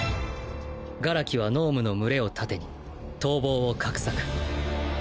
殻木は脳無の群れを盾に逃亡を画策。